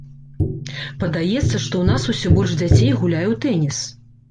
Падаецца, што ў нас усё больш дзяцей гуляе ў тэніс.